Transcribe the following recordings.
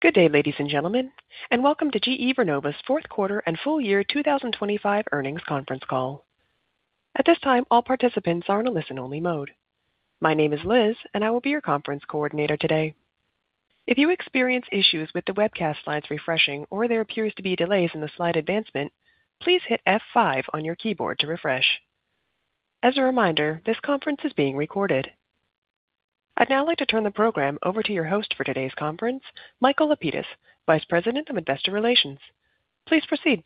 Good day, ladies and gentlemen, and welcome to GE Vernova's fourth quarter and full year 2025 earnings conference call. At this time, all participants are in a listen-only mode. My name is Liz, and I will be your conference coordinator today. If you experience issues with the webcast slides refreshing or there appears to be delays in the slide advancement, please hit F5 on your keyboard to refresh. As a reminder, this conference is being recorded. I'd now like to turn the program over to your host for today's conference, Michael Lapides, Vice President of Investor Relations. Please proceed.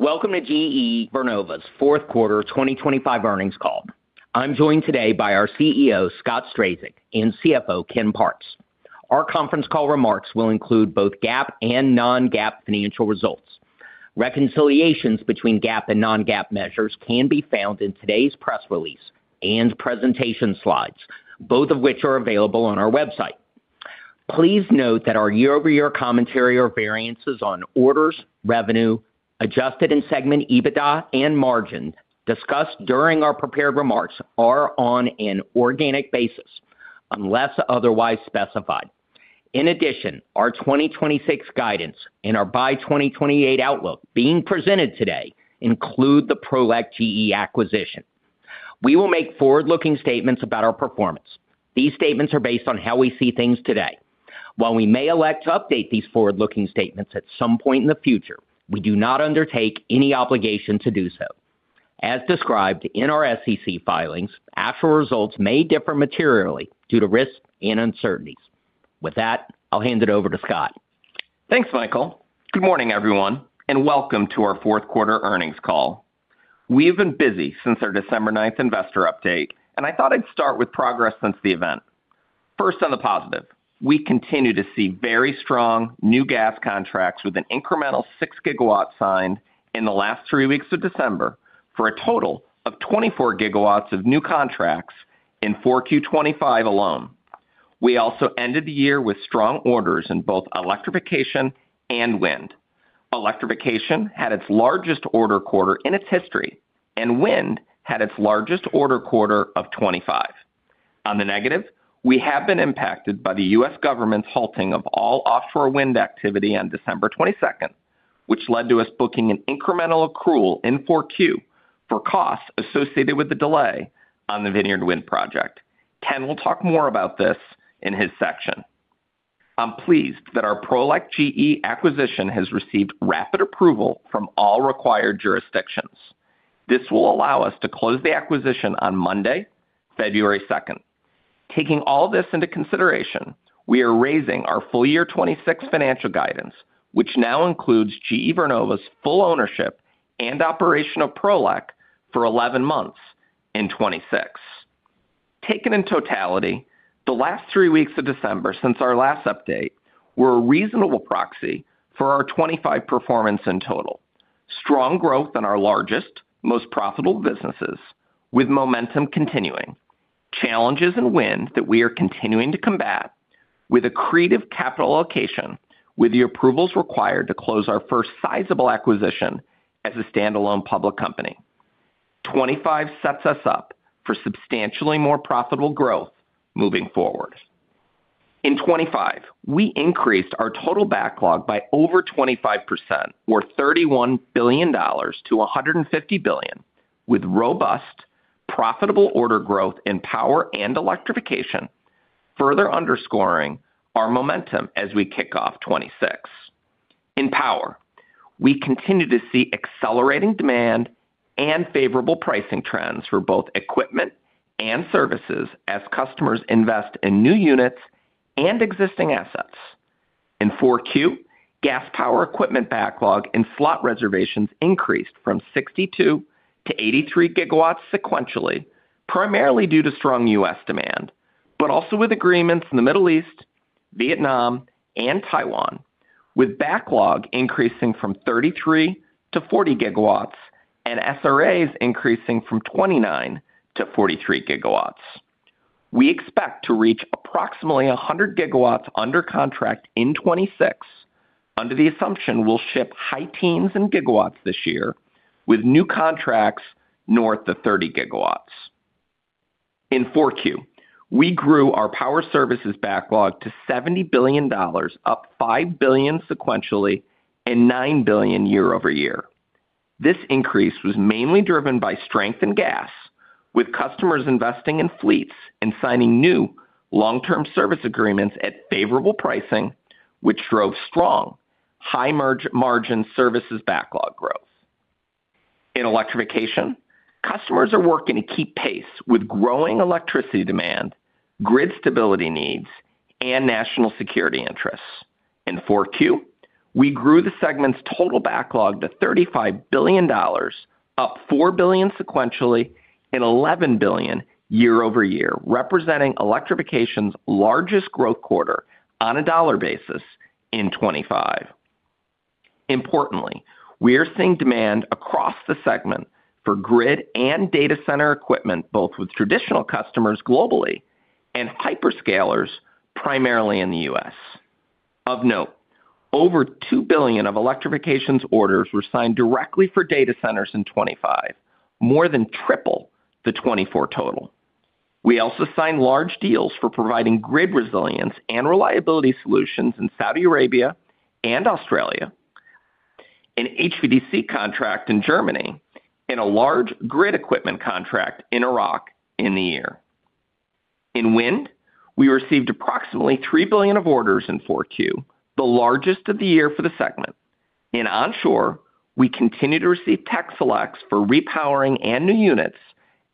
Welcome to GE Vernova's fourth quarter 2025 earnings call. I'm joined today by our CEO, Scott Strazik, and CFO, Ken Parks. Our conference call remarks will include both GAAP and non-GAAP financial results. Reconciliations between GAAP and non-GAAP measures can be found in today's press release and presentation slides, both of which are available on our website. Please note that our year-over-year commentary or variances on orders, revenue, adjusted and segment EBITDA and margin discussed during our prepared remarks are on an organic basis unless otherwise specified. In addition, our 2026 guidance and our by 2028 outlook being presented today include the Prolec GE acquisition. We will make forward-looking statements about our performance. These statements are based on how we see things today. While we may elect to update these forward-looking statements at some point in the future, we do not undertake any obligation to do so. As described in our SEC filings, actual results may differ materially due to risks and uncertainties. With that, I'll hand it over to Scott. Thanks, Michael. Good morning, everyone, and welcome to our fourth quarter earnings call. We have been busy since our December 9 investor update, and I thought I'd start with progress since the event. First, on the positive, we continue to see very strong new gas contracts with an incremental 6 GW signed in the last three weeks of December for a total of 24 GW of new contracts in 4Q 2025 alone. We also ended the year with strong orders in both electrification and wind. Electrification had its largest order quarter in its history, and wind had its largest order quarter of 2025. On the negative, we have been impacted by the U.S. government's halting of all offshore wind activity on December 22, which led to us booking an incremental accrual in 4Q for costs associated with the delay on the Vineyard Wind project. Ken will talk more about this in his section. I'm pleased that our Prolec GE acquisition has received rapid approval from all required jurisdictions. This will allow us to close the acquisition on Monday, February 2. Taking all this into consideration, we are raising our full year 2026 financial guidance, which now includes GE Vernova's full ownership and operation of Prolec for 11 months in 2026. Taken in totality, the last three weeks of December since our last update, were a reasonable proxy for our 2025 performance in total. Strong growth in our largest, most profitable businesses, with momentum continuing. Challenges and wins that we are continuing to combat with accretive capital allocation, with the approvals required to close our first sizable acquisition as a standalone public company. 2025 sets us up for substantially more profitable growth moving forward. In 2025, we increased our total backlog by over 25% or $31 billion to $150 billion, with robust, profitable order growth in power and electrification, further underscoring our momentum as we kick off 2026. In power, we continue to see accelerating demand and favorable pricing trends for both equipment and services as customers invest in new units and existing assets. In 4Q, gas power equipment backlog and slot reservations increased from 62 GW to 83 GW sequentially, primarily due to strong U.S. demand, but also with agreements in the Middle East, Vietnam, and Taiwan, with backlog increasing from 33 GW to 40 GW and SRAs increasing from 29 GW to 43 GW. We expect to reach approximately 100 GW under contract in 2026, under the assumption we'll ship high teens GW this year, with new contracts north of 30 GW. In 4Q, we grew our power services backlog to $70 billion, up $5 billion sequentially and $9 billion year-over-year. This increase was mainly driven by strength in gas, with customers investing in fleets and signing new long-term service agreements at favorable pricing, which drove strong high-margin services backlog growth. In electrification, customers are working to keep pace with growing electricity demand, grid stability needs, and national security interests. In 4Q, we grew the segment's total backlog to $35 billion, up $4 billion sequentially and $11 billion year-over-year, representing electrification's largest growth quarter on a dollar basis in 25. Importantly, we are seeing demand across the segment for grid and data center equipment, both with traditional customers globally and hyperscalers, primarily in the US.... Of note, over $2 billion of electrification orders were signed directly for data centers in 2025, more than triple the 2024 total. We also signed large deals for providing grid resilience and reliability solutions in Saudi Arabia and Australia, an HVDC contract in Germany, and a large grid equipment contract in Iraq in the year. In wind, we received approximately $3 billion of orders in Q4, the largest of the year for the segment. In onshore, we continue to receive tech selects for repowering and new units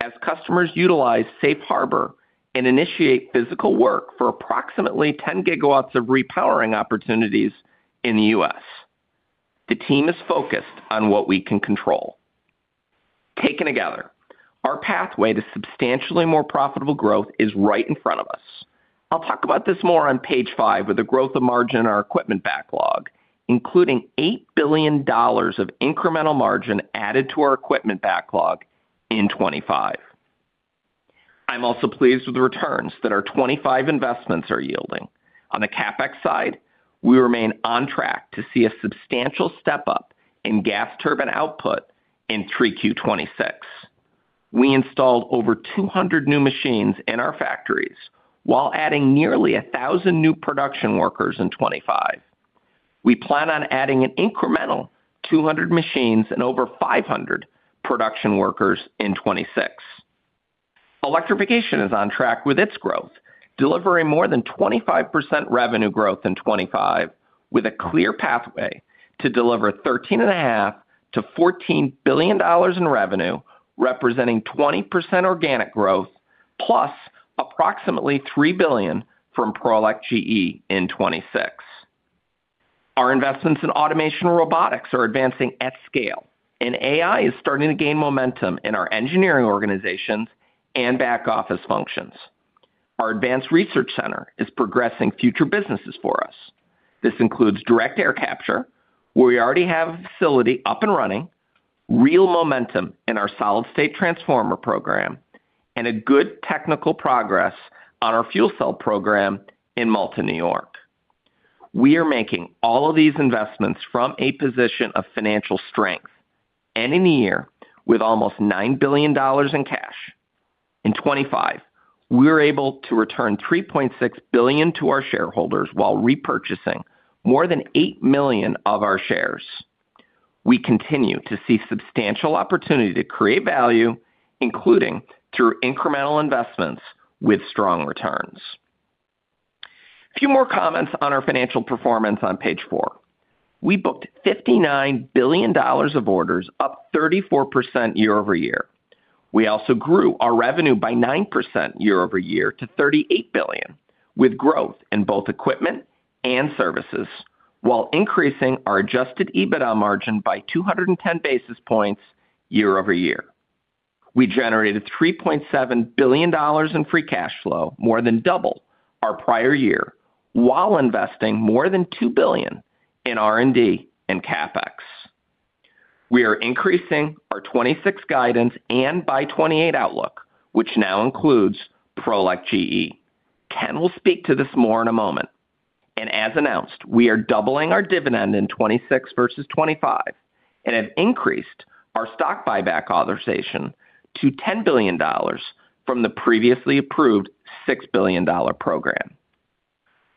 as customers utilize Safe Harbor and initiate physical work for approximately 10 GW of repowering opportunities in the U.S. The team is focused on what we can control. Taken together, our pathway to substantially more profitable growth is right in front of us. I'll talk about this more on page five, with the growth of margin in our equipment backlog, including $8 billion of incremental margin added to our equipment backlog in 2025. I'm also pleased with the returns that our 2025 investments are yielding. On the CapEx side, we remain on track to see a substantial step-up in gas turbine output in 3Q 2026. We installed over 200 new machines in our factories, while adding nearly 1,000 new production workers in 2025. We plan on adding an incremental 200 machines and over 500 production workers in 2026. Electrification is on track with its growth, delivering more than 25% revenue growth in 2025, with a clear pathway to deliver $13.5 billion-$14 billion in revenue, representing 20% organic growth, plus approximately $3 billion from Prolec GE in 2026. Our investments in automation and robotics are advancing at scale, and AI is starting to gain momentum in our engineering organizations and back-office functions. Our advanced research center is progressing future businesses for us. This includes Direct Air Capture, where we already have a facility up and running, real momentum in our Solid-State Transformer program, and a good technical progress on our fuel cell program in Malta, New York. We are making all of these investments from a position of financial strength, ending the year with almost $9 billion in cash. In 2025, we were able to return $3.6 billion to our shareholders while repurchasing more than 8 million of our shares. We continue to see substantial opportunity to create value, including through incremental investments with strong returns. A few more comments on our financial performance on page 4. We booked $59 billion of orders, up 34% year-over-year. We also grew our revenue by 9% year-over-year to $38 billion, with growth in both equipment and services, while increasing our adjusted EBITDA margin by 210 basis points year-over-year. We generated $3.7 billion in free cash flow, more than double our prior year, while investing more than $2 billion in R&D and CapEx. We are increasing our 2026 guidance and by 2028 outlook, which now includes Prolec GE. Ken will speak to this more in a moment, and as announced, we are doubling our dividend in 2026 versus 2025 and have increased our stock buyback authorization to $10 billion from the previously approved $6 billion program.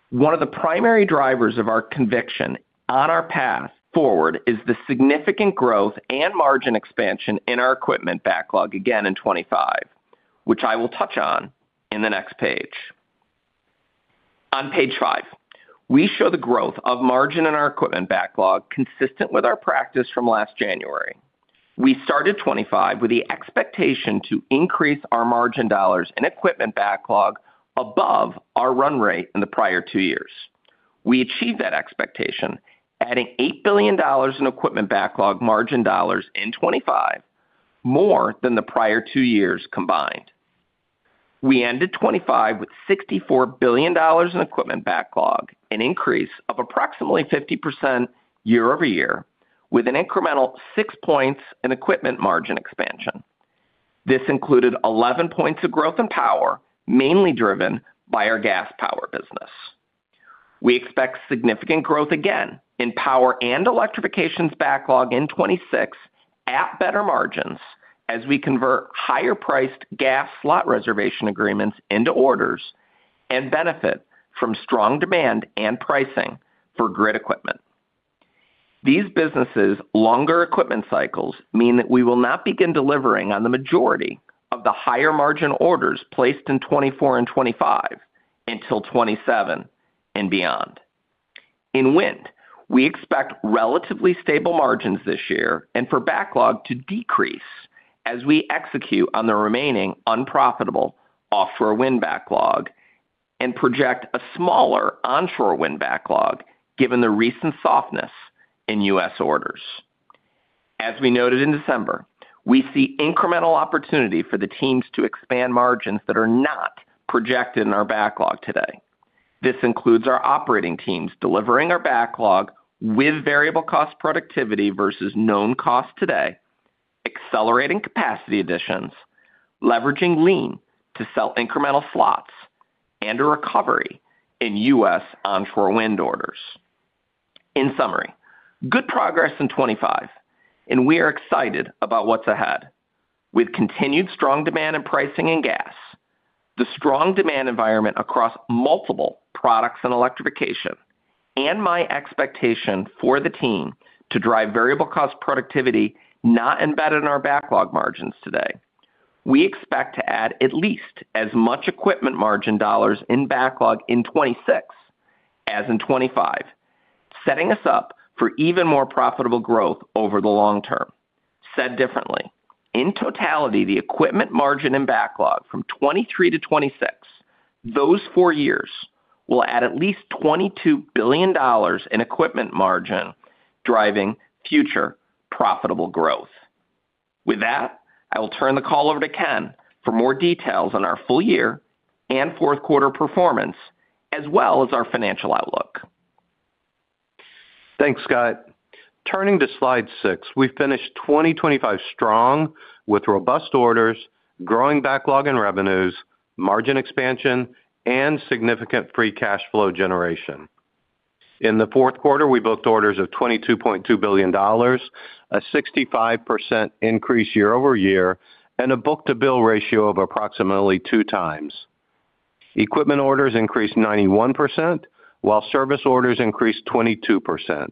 One of the primary drivers of our conviction on our path forward is the significant growth and margin expansion in our equipment backlog again in 2025, which I will touch on in the next page. On page 5, we show the growth of margin in our equipment backlog, consistent with our practice from last January. We started 2025 with the expectation to increase our margin dollars and equipment backlog above our run rate in the prior two years. We achieved that expectation, adding $8 billion in equipment backlog margin dollars in 2025, more than the prior two years combined. We ended 2025 with $64 billion in equipment backlog, an increase of approximately 50% year-over-year, with an incremental 6 points in equipment margin expansion. This included 11 points of growth in power, mainly driven by our gas power business. We expect significant growth again in power and electrification's backlog in 2026 at better margins as we convert higher-priced gas slot reservation agreements into orders and benefit from strong demand and pricing for grid equipment. These businesses' longer equipment cycles mean that we will not begin delivering on the majority of the higher-margin orders placed in 2024 and 2025 until 2027 and beyond. In wind, we expect relatively stable margins this year and for backlog to decrease as we execute on the remaining unprofitable offshore wind backlog and project a smaller onshore wind backlog, given the recent softness in U.S. orders. As we noted in December, we see incremental opportunity for the teams to expand margins that are not projected in our backlog today. This includes our operating teams delivering our backlog with variable cost productivity versus known cost today... Accelerating capacity additions, leveraging lean to sell incremental slots, and a recovery in U.S. onshore wind orders. In summary, good progress in 2025, and we are excited about what's ahead. With continued strong demand and pricing in gas, the strong demand environment across multiple products and electrification, and my expectation for the team to drive variable cost productivity not embedded in our backlog margins today, we expect to add at least as much equipment margin dollars in backlog in 2026 as in 2025, setting us up for even more profitable growth over the long term. Said differently, in totality, the equipment margin and backlog from 2023 to 2026, those four years will add at least $22 billion in equipment margin, driving future profitable growth. With that, I will turn the call over to Ken for more details on our full year and fourth quarter performance, as well as our financial outlook. Thanks, Scott. Turning to Slide 6, we finished 2025 strong, with robust orders, growing backlog and revenues, margin expansion, and significant free cash flow generation. In the fourth quarter, we booked orders of $22.2 billion, a 65% increase year-over-year, and a book-to-bill ratio of approximately 2x. Equipment orders increased 91%, while service orders increased 22%.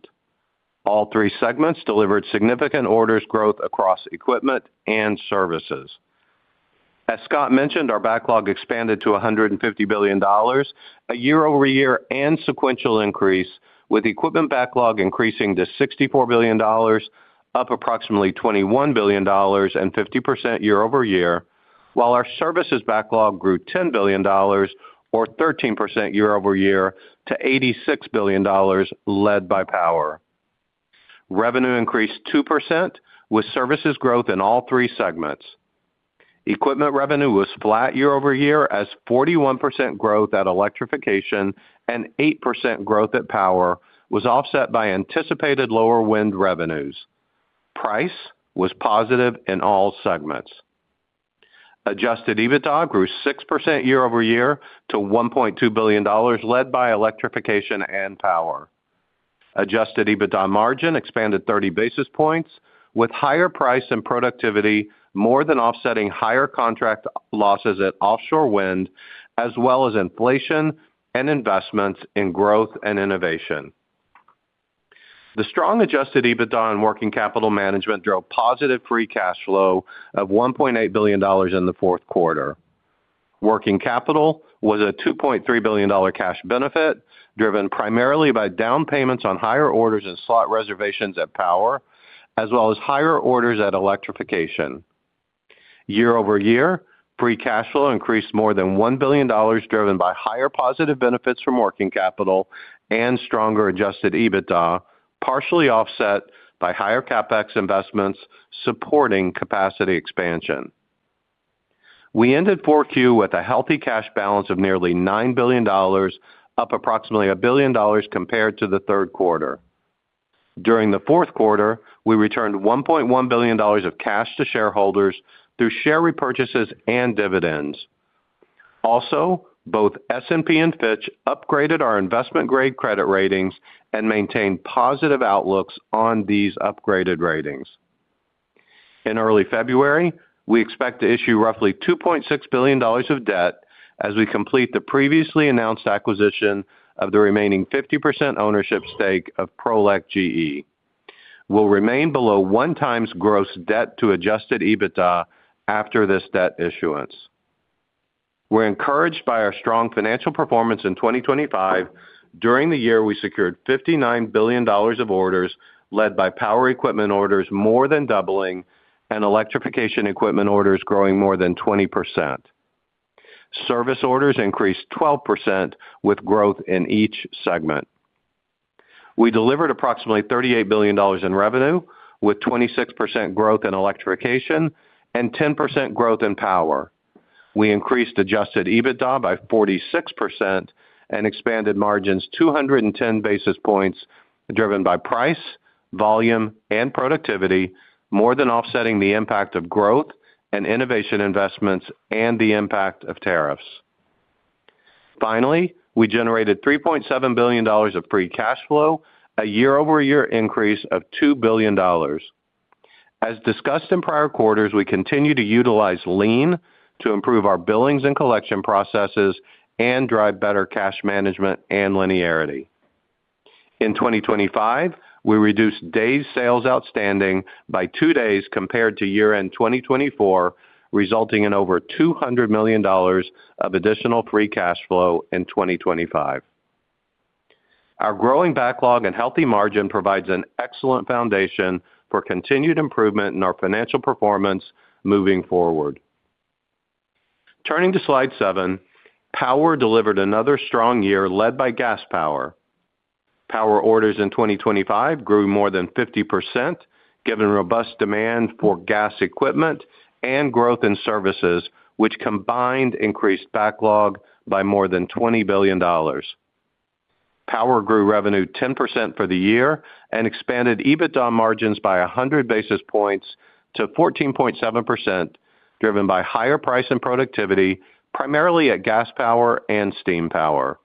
All three segments delivered significant orders growth across equipment and services. As Scott mentioned, our backlog expanded to $150 billion, a year-over-year and sequential increase, with equipment backlog increasing to $64 billion, up approximately $21 billion and 50% year-over-year, while our services backlog grew $10 billion or 13% year-over-year to $86 billion, led by power. Revenue increased 2%, with services growth in all three segments. Equipment revenue was flat year-over-year as 41% growth at Electrification and 8% growth at Power was offset by anticipated lower Wind revenues. Price was positive in all segments. Adjusted EBITDA grew 6% year-over-year to $1.2 billion, led by Electrification and Power. Adjusted EBITDA margin expanded 30 basis points, with higher price and productivity more than offsetting higher contract losses at offshore wind, as well as inflation and investments in growth and innovation. The strong adjusted EBITDA and working capital management drove positive free cash flow of $1.8 billion in the fourth quarter. Working capital was a $2.3 billion cash benefit, driven primarily by down payments on higher orders and slot reservations at Power, as well as higher orders at Electrification. Year-over-year, free cash flow increased more than $1 billion, driven by higher positive benefits from working capital and stronger adjusted EBITDA, partially offset by higher CapEx investments supporting capacity expansion. We ended Q4 with a healthy cash balance of nearly $9 billion, up approximately $1 billion compared to the third quarter. During the fourth quarter, we returned $1.1 billion of cash to shareholders through share repurchases and dividends. Also, both S&P and Fitch upgraded our investment-grade credit ratings and maintained positive outlooks on these upgraded ratings. In early February, we expect to issue roughly $2.6 billion of debt as we complete the previously announced acquisition of the remaining 50% ownership stake of Prolec GE, will remain below 1x gross debt to adjusted EBITDA after this debt issuance. We're encouraged by our strong financial performance in 2025. During the year, we secured $59 billion of orders, led by power equipment orders more than doubling and electrification equipment orders growing more than 20%. Service orders increased 12%, with growth in each segment. We delivered approximately $38 billion in revenue, with 26% growth in electrification and 10% growth in power. We increased adjusted EBITDA by 46% and expanded margins 210 basis points, driven by price, volume, and productivity, more than offsetting the impact of growth and innovation investments and the impact of tariffs. Finally, we generated $3.7 billion of free cash flow, a year-over-year increase of $2 billion. As discussed in prior quarters, we continue to utilize Lean to improve our billings and collection processes and drive better cash management and linearity. In 2025, we reduced days sales outstanding by 2 days compared to year-end 2024, resulting in over $200 million of additional free cash flow in 2025. Our growing backlog and healthy margin provides an excellent foundation for continued improvement in our financial performance moving forward. Turning to Slide 7, Power delivered another strong year, led by gas power. Power orders in 2025 grew more than 50%, given robust demand for gas equipment and growth in services, which combined increased backlog by more than $20 billion... Power grew revenue 10% for the year and expanded EBITDA margins by 100 basis points to 14.7%, driven by higher price and productivity, primarily at gas power and steam power.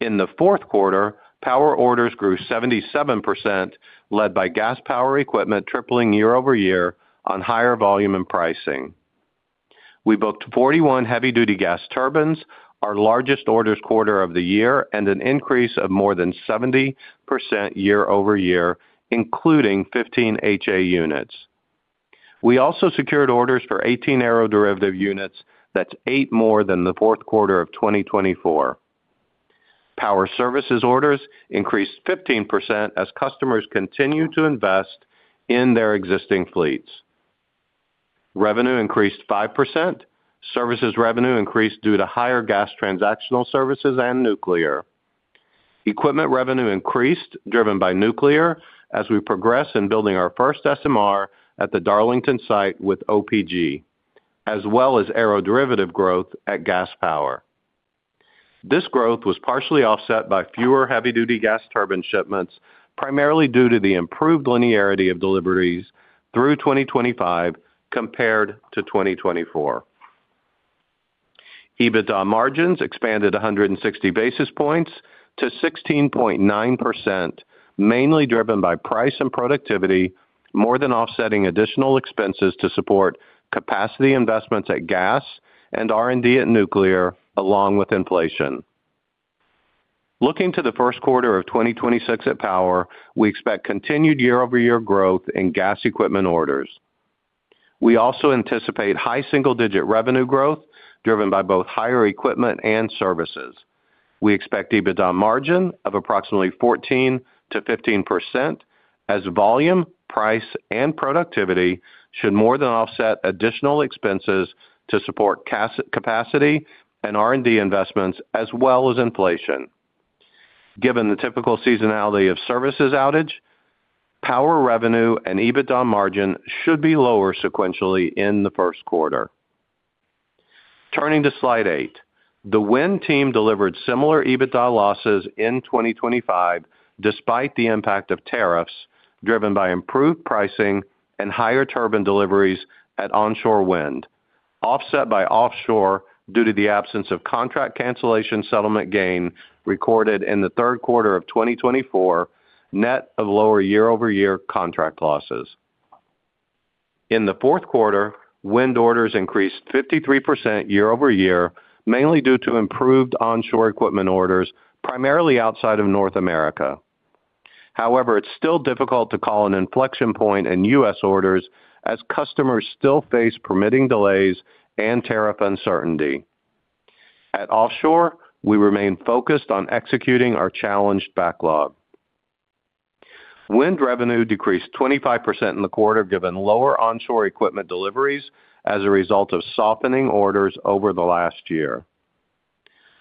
In the fourth quarter, power orders grew 77%, led by gas power equipment tripling year-over-year on higher volume and pricing. We booked 41 heavy-duty gas turbines, our largest orders quarter of the year, and an increase of more than 70% year over year, including 15 HA units. We also secured orders for 18 aeroderivative units. That's eight more than the fourth quarter of 2024. Power services orders increased 15% as customers continue to invest in their existing fleets. Revenue increased 5%. Services revenue increased due to higher gas transactional services and nuclear. Equipment revenue increased, driven by nuclear as we progress in building our first SMR at the Darlington site with OPG, as well as aeroderivative growth at gas power. This growth was partially offset by fewer heavy-duty gas turbine shipments, primarily due to the improved linearity of deliveries through 2025 compared to 2024. EBITDA margins expanded 100 basis points to 16.9%, mainly driven by price and productivity, more than offsetting additional expenses to support capacity investments at gas and R&D at nuclear, along with inflation. Looking to the first quarter of 2026 at Power, we expect continued year-over-year growth in gas equipment orders. We also anticipate high single-digit revenue growth, driven by both higher equipment and services. We expect EBITDA margin of approximately 14%-15%, as volume, price, and productivity should more than offset additional expenses to support capacity and R&D investments, as well as inflation. Given the typical seasonality of services outage, power revenue and EBITDA margin should be lower sequentially in the first quarter. Turning to Slide 8. The Wind team delivered similar EBITDA losses in 2025, despite the impact of tariffs driven by improved pricing and higher turbine deliveries at onshore wind, offset by offshore due to the absence of contract cancellation settlement gain recorded in the third quarter of 2024, net of lower year-over-year contract losses. In the fourth quarter, wind orders increased 53% year-over-year, mainly due to improved onshore equipment orders, primarily outside of North America. However, it's still difficult to call an inflection point in U.S. orders as customers still face permitting delays and tariff uncertainty. At offshore, we remain focused on executing our challenged backlog. Wind revenue decreased 25% in the quarter, given lower onshore equipment deliveries as a result of softening orders over the last year.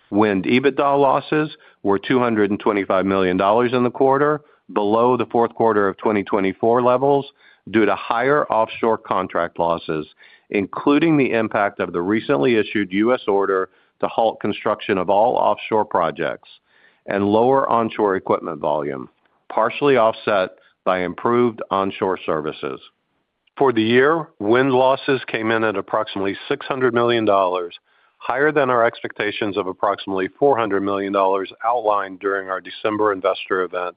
Wind EBITDA losses were $225 million in the quarter, below the fourth quarter of 2024 levels, due to higher offshore contract losses, including the impact of the recently issued US order to halt construction of all offshore projects and lower onshore equipment volume, partially offset by improved onshore services. For the year, wind losses came in at approximately $600 million, higher than our expectations of approximately $400 million outlined during our December investor event,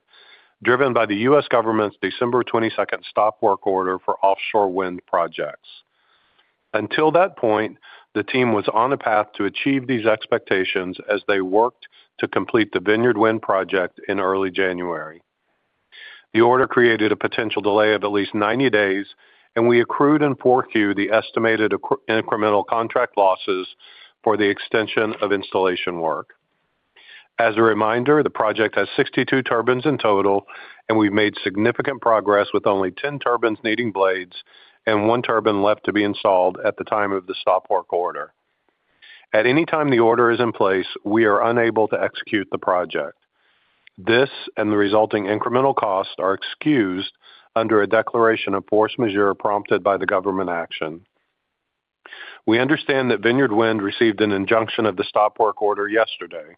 driven by the US government's December 22 stop work order for offshore wind projects. Until that point, the team was on a path to achieve these expectations as they worked to complete the Vineyard Wind project in early January. The order created a potential delay of at least 90 days, and we accrued and forecast the estimated incremental contract losses for the extension of installation work. As a reminder, the project has 62 turbines in total, and we've made significant progress with only 10 turbines needing blades and 1 turbine left to be installed at the time of the stop work order. At any time the order is in place, we are unable to execute the project. This and the resulting incremental costs are excused under a declaration of force majeure prompted by the government action. We understand that Vineyard Wind received an injunction of the stop work order yesterday.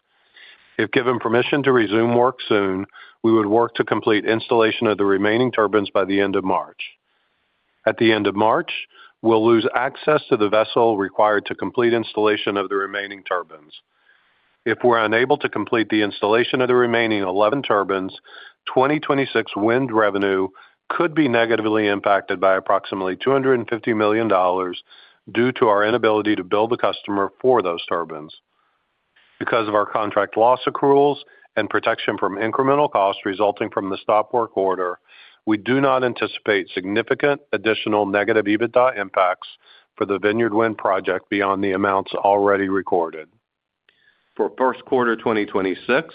If given permission to resume work soon, we would work to complete installation of the remaining turbines by the end of March. At the end of March, we'll lose access to the vessel required to complete installation of the remaining turbines. If we're unable to complete the installation of the remaining 11 turbines, 2026 wind revenue could be negatively impacted by approximately $250 million due to our inability to bill the customer for those turbines. Because of our contract loss accruals and protection from incremental costs resulting from the stop work order, we do not anticipate significant additional negative EBITDA impacts for the Vineyard Wind project beyond the amounts already recorded. For first quarter 2026,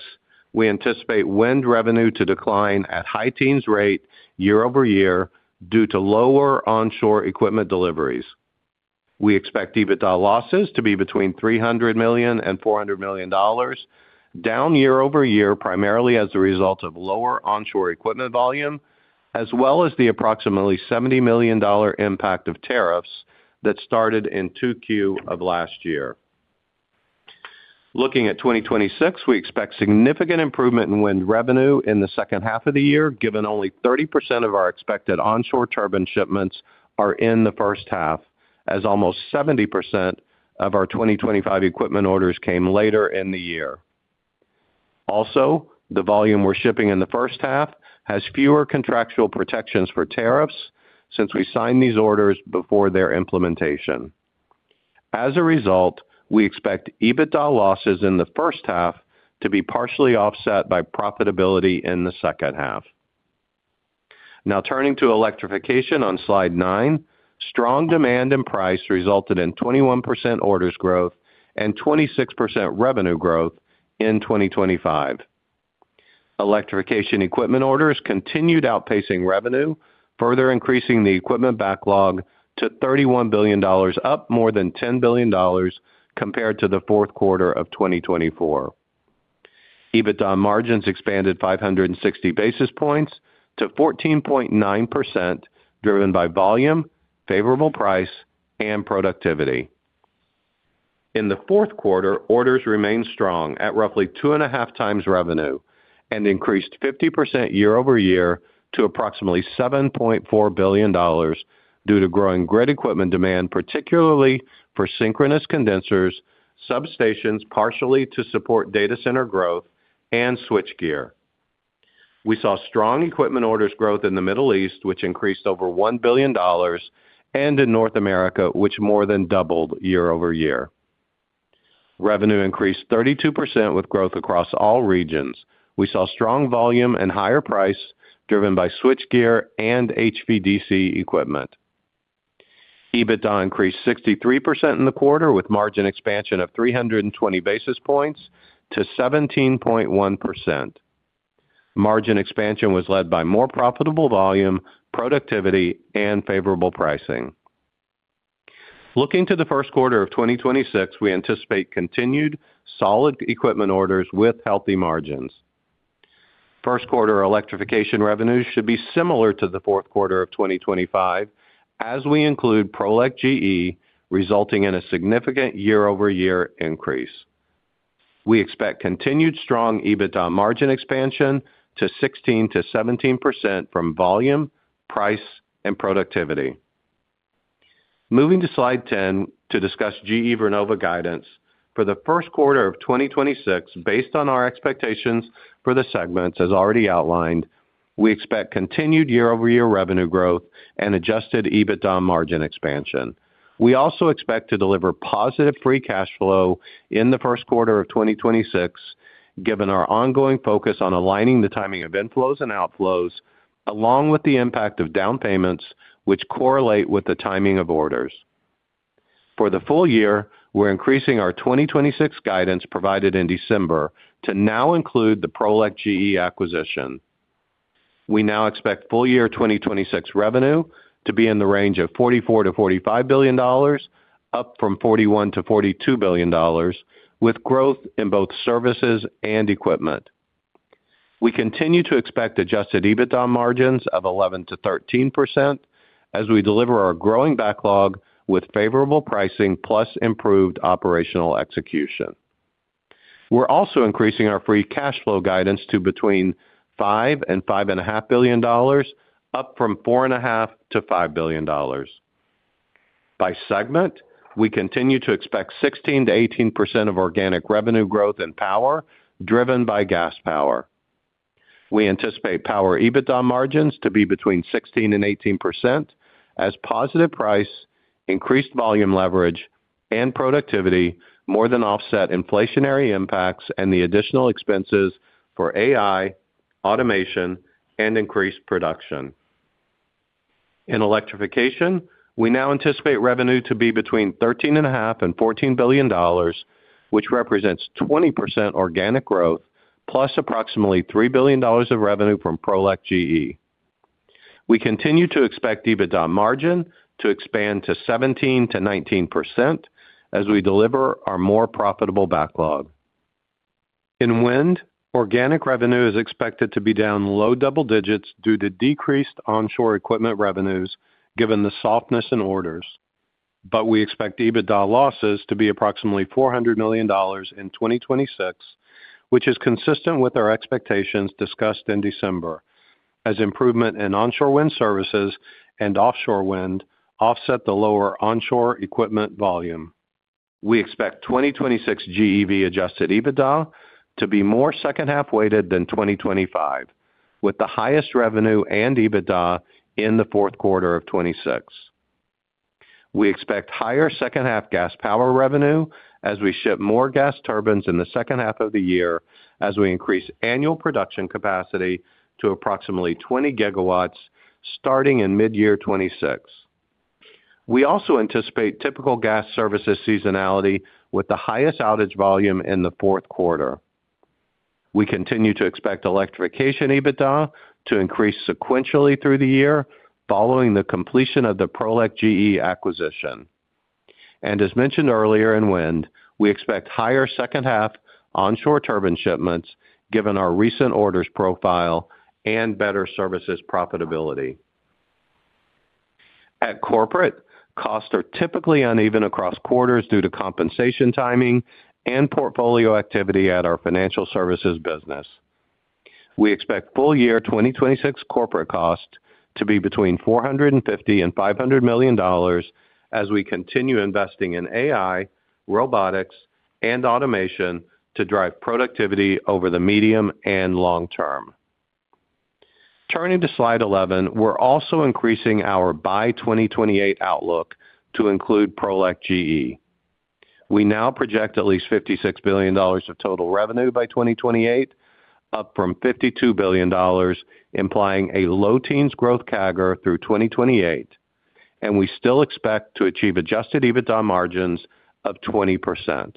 we anticipate wind revenue to decline at high teens rate year-over-year due to lower onshore equipment deliveries. We expect EBITDA losses to be between $300 million and $400 million, down year-over-year, primarily as a result of lower onshore equipment volume, as well as the approximately $70 million impact of tariffs that started in 2Q of last year.... Looking at 2026, we expect significant improvement in wind revenue in the second half of the year, given only 30% of our expected onshore turbine shipments are in the first half, as almost 70% of our 2025 equipment orders came later in the year. Also, the volume we're shipping in the first half has fewer contractual protections for tariffs since we signed these orders before their implementation. As a result, we expect EBITDA losses in the first half to be partially offset by profitability in the second half. Now, turning to electrification on Slide 9, strong demand and price resulted in 21% orders growth and 26% revenue growth in 2025. Electrification equipment orders continued outpacing revenue, further increasing the equipment backlog to $31 billion, up more than $10 billion compared to the fourth quarter of 2024. EBITDA margins expanded 560 basis points to 14.9%, driven by volume, favorable price, and productivity. In the fourth quarter, orders remained strong at roughly 2.5 times revenue and increased 50% year-over-year to approximately $7.4 billion due to growing grid equipment demand, particularly for synchronous condensers, substations, partially to support data center growth and switchgear. We saw strong equipment orders growth in the Middle East, which increased over $1 billion, and in North America, which more than doubled year-over-year. Revenue increased 32% with growth across all regions. We saw strong volume and higher price, driven by switchgear and HVDC equipment. EBITDA increased 63% in the quarter, with margin expansion of 320 basis points to 17.1%. Margin expansion was led by more profitable volume, productivity, and favorable pricing. Looking to the first quarter of 2026, we anticipate continued solid equipment orders with healthy margins. First quarter electrification revenues should be similar to the fourth quarter of 2025, as we include Prolec GE, resulting in a significant year-over-year increase. We expect continued strong EBITDA margin expansion to 16%-17% from volume, price, and productivity. Moving to Slide 10 to discuss GE Vernova guidance. For the first quarter of 2026, based on our expectations for the segments as already outlined, we expect continued year-over-year revenue growth and adjusted EBITDA margin expansion. We also expect to deliver positive free cash flow in the first quarter of 2026, given our ongoing focus on aligning the timing of inflows and outflows, along with the impact of down payments, which correlate with the timing of orders. For the full year, we're increasing our 2026 guidance provided in December to now include the Prolec GE acquisition. We now expect full year 2026 revenue to be in the range of $44 billion-$45 billion, up from $41 billion-$42 billion, with growth in both services and equipment. We continue to expect adjusted EBITDA margins of 11%-13% as we deliver our growing backlog with favorable pricing plus improved operational execution. We're also increasing our free cash flow guidance to between $5 billion and $5.5 billion, up from $4.5 billion-$5 billion. By segment, we continue to expect 16%-18% of organic revenue growth in power, driven by gas power. We anticipate power EBITDA margins to be between 16% and 18%, as positive price, increased volume leverage, and productivity more than offset inflationary impacts and the additional expenses for AI, automation, and increased production. In electrification, we now anticipate revenue to be between $13.5 billion and $14 billion, which represents 20% organic growth, plus approximately $3 billion of revenue from Prolec GE. We continue to expect EBITDA margin to expand to 17%-19% as we deliver our more profitable backlog. In wind, organic revenue is expected to be down low double digits due to decreased onshore equipment revenues, given the softness in orders. But we expect EBITDA losses to be approximately $400 million in 2026, which is consistent with our expectations discussed in December, as improvement in onshore wind services and offshore wind offset the lower onshore equipment volume. We expect 2026 GEV adjusted EBITDA to be more second-half weighted than 2025, with the highest revenue and EBITDA in the fourth quarter of 2026. We expect higher second-half gas power revenue as we ship more gas turbines in the second half of the year, as we increase annual production capacity to approximately 20 GW starting in mid-year 2026. We also anticipate typical gas services seasonality, with the highest outage volume in the fourth quarter. We continue to expect electrification EBITDA to increase sequentially through the year, following the completion of the Prolec GE acquisition. And as mentioned earlier in wind, we expect higher second-half onshore turbine shipments, given our recent orders profile and better services profitability. At corporate, costs are typically uneven across quarters due to compensation timing and portfolio activity at our financial services business. We expect full year 2026 corporate cost to be between $450 million and $500 million as we continue investing in AI, robotics, and automation to drive productivity over the medium and long term. Turning to slide 11, we're also increasing our by 2028 outlook to include Prolec GE. We now project at least $56 billion of total revenue by 2028, up from $52 billion, implying a low teens growth CAGR through 2028, and we still expect to achieve adjusted EBITDA margins of 20%.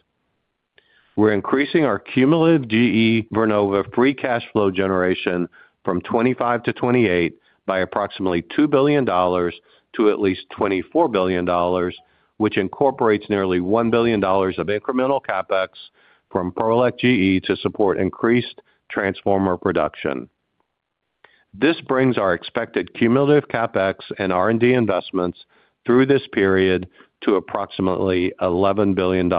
We're increasing our cumulative GE Vernova free cash flow generation from 2025 to 2028 by approximately $2 billion to at least $24 billion, which incorporates nearly $1 billion of incremental CapEx from Prolec GE to support increased transformer production. This brings our expected cumulative CapEx and R&D investments through this period to approximately $11 billion.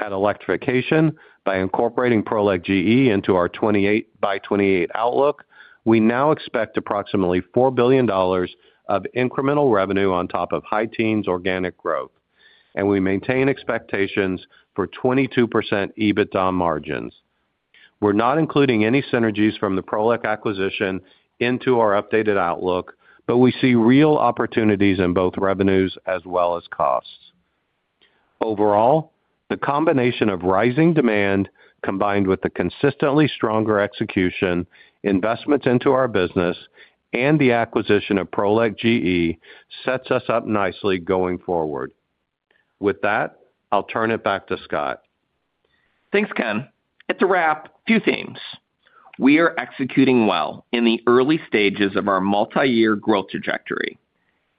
At Electrification, by incorporating Prolec GE into our 28 by 2028 outlook, we now expect approximately $4 billion of incremental revenue on top of high teens organic growth, and we maintain expectations for 22% EBITDA margins. We're not including any synergies from the Prolec acquisition into our updated outlook, but we see real opportunities in both revenues as well as costs. Overall, the combination of rising demand, combined with the consistently stronger execution, investments into our business, and the acquisition of Prolec GE, sets us up nicely going forward. With that, I'll turn it back to Scott. Thanks, Ken. It's a wrap. Few themes. We are executing well in the early stages of our multi-year growth trajectory.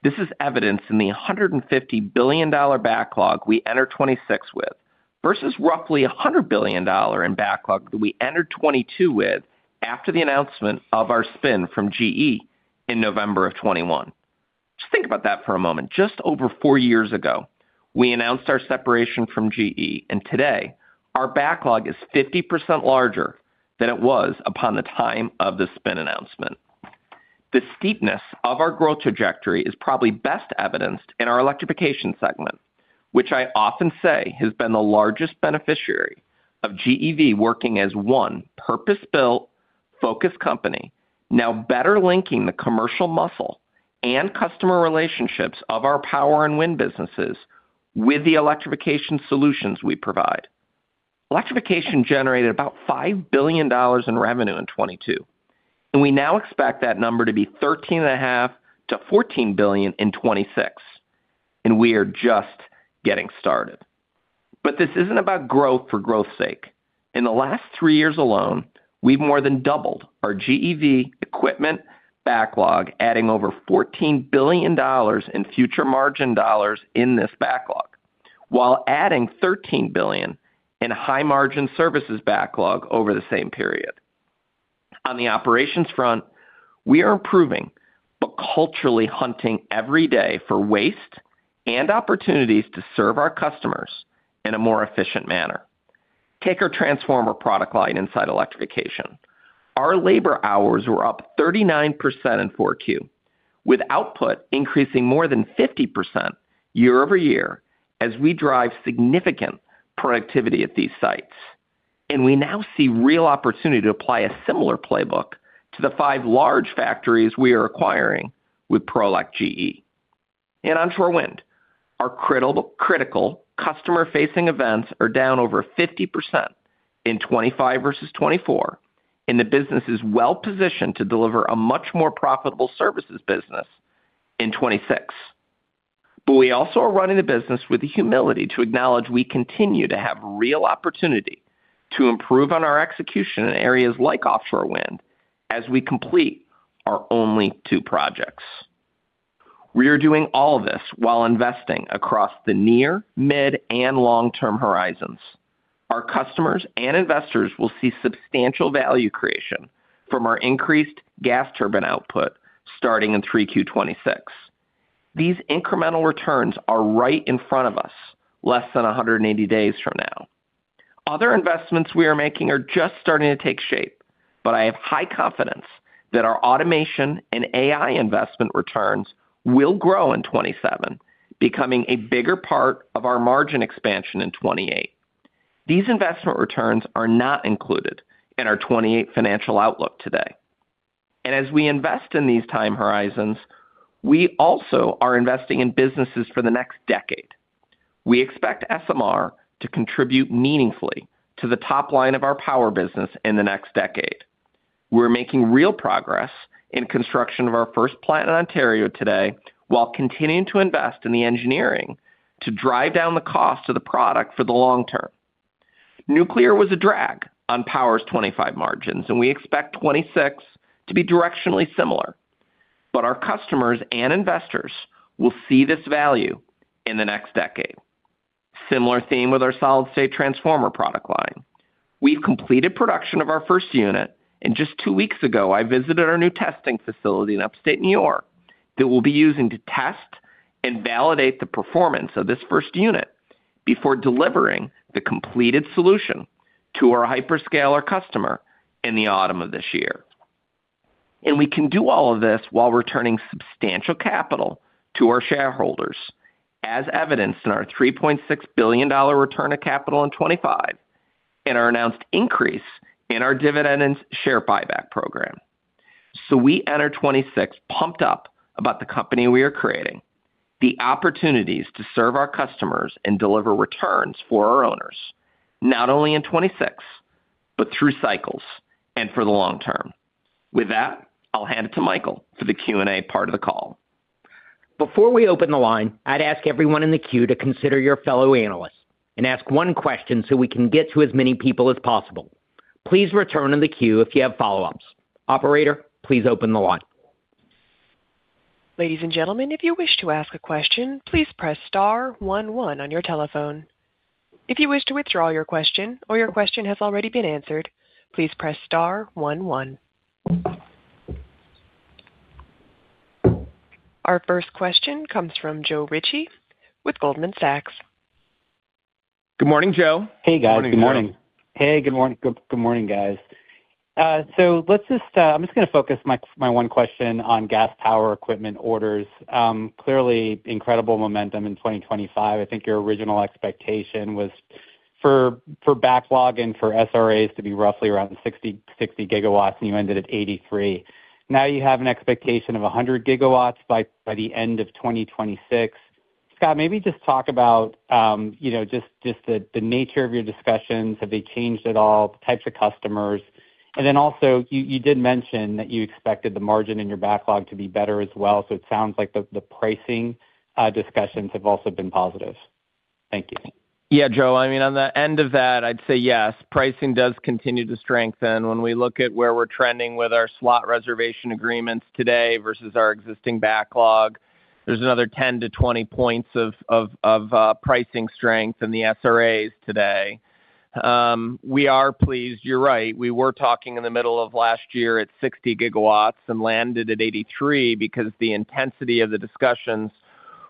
This is evidenced in the $150 billion backlog we enter 2026 with, versus roughly $100 billion in backlog that we entered 2022 with after the announcement of our spin from GE in November of 2021. Just think about that for a moment. Just over 4 years ago, we announced our separation from GE, and today, our backlog is 50% larger than it was upon the time of the spin announcement. The steepness of our growth trajectory is probably best evidenced in our Electrification segment, which I often say has been the largest beneficiary of GEV working as one purpose-built, focused company, now better linking the commercial muscle and customer relationships of our power and wind businesses with the electrification solutions we provide. Electrification generated about $5 billion in revenue in 2022, and we now expect that number to be $13.5 billion-$14 billion in 2026, and we are just getting started. But this isn't about growth for growth's sake. In the last three years alone, we've more than doubled our GEV equipment backlog, adding over $14 billion in future margin dollars in this backlog, while adding $13 billion in high-margin services backlog over the same period. On the operations front, we are improving, but culturally hunting every day for waste and opportunities to serve our customers in a more efficient manner. Take our transformer product line inside Electrification. Our labor hours were up 39% in Q4, with output increasing more than 50% year-over-year as we drive significant productivity at these sites, and we now see real opportunity to apply a similar playbook to the five large factories we are acquiring with Prolec GE. In onshore wind, our critical customer-facing events are down over 50% in 2025 versus 2024, and the business is well-positioned to deliver a much more profitable services business in 2026. But we also are running the business with the humility to acknowledge we continue to have real opportunity to improve on our execution in areas like offshore wind as we complete our only two projects. We are doing all of this while investing across the near, mid-, and long-term horizons. Our customers and investors will see substantial value creation from our increased gas turbine output starting in Q3 2026. These incremental returns are right in front of us, less than 180 days from now. Other investments we are making are just starting to take shape, but I have high confidence that our automation and AI investment returns will grow in 2027, becoming a bigger part of our margin expansion in 2028. These investment returns are not included in our 2028 financial outlook today. And as we invest in these time horizons, we also are investing in businesses for the next decade. We expect SMR to contribute meaningfully to the top line of our power business in the next decade. We're making real progress in construction of our first plant in Ontario today, while continuing to invest in the engineering to drive down the cost of the product for the long term. Nuclear was a drag on power's 2025 margins, and we expect 2026 to be directionally similar. But our customers and investors will see this value in the next decade. Similar theme with our solid-state transformer product line. We've completed production of our first unit, and just two weeks ago, I visited our new testing facility in upstate New York that we'll be using to test and validate the performance of this first unit before delivering the completed solution to our hyperscaler customer in the autumn of this year. We can do all of this while returning substantial capital to our shareholders, as evidenced in our $3.6 billion return of capital in 2025, and our announced increase in our dividend and share buyback program. So we enter 2026 pumped up about the company we are creating, the opportunities to serve our customers and deliver returns for our owners, not only in 2026, but through cycles and for the long term. With that, I'll hand it to Michael for the Q&A part of the call. Before we open the line, I'd ask everyone in the queue to consider your fellow analysts and ask one question so we can get to as many people as possible. Please return in the queue if you have follow-ups. Operator, please open the line. Ladies and gentlemen, if you wish to ask a question, please press star one one on your telephone. If you wish to withdraw your question or your question has already been answered, please press star one one. Our first question comes from Joe Ritchie with Goldman Sachs. Good morning, Joe. Hey, guys. Good morning. Good morning. Hey, good morning, guys. So let's just... I'm just gonna focus my one question on gas power equipment orders. Clearly incredible momentum in 2025. I think your original expectation was for backlog and for SRAs to be roughly around 60 gigawatts, and you ended at 83. Now you have an expectation of 100 gigawatts by the end of 2026. Scott, maybe just talk about, you know, just the nature of your discussions. Have they changed at all, the types of customers? And then also, you did mention that you expected the margin in your backlog to be better as well, so it sounds like the pricing discussions have also been positive. Thank you. Yeah, Joe. I mean, on the end of that, I'd say yes, pricing does continue to strengthen. When we look at where we're trending with our slot reservation agreements today versus our existing backlog, there's another 10-20 points of pricing strength in the SRAs today. We are pleased. You're right, we were talking in the middle of last year at 60 GW and landed at 83 GW because the intensity of the discussions,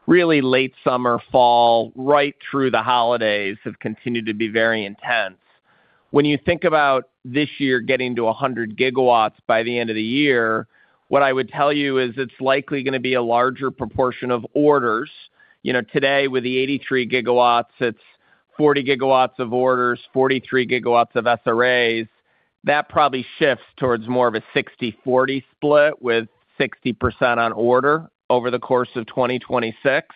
really late summer, fall, right through the holidays, have continued to be very intense. When you think about this year getting to 100 GW by the end of the year, what I would tell you is it's likely gonna be a larger proportion of orders. You know, today, with the 83 GW, it's 40 GW of orders, 43 GW of SRAs. That probably shifts towards more of a 60/40 split, with 60% on order over the course of 2026.